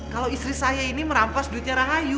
kalau istri saya ini merampas duitnya rahayu